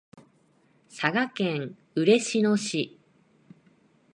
佐賀県嬉野市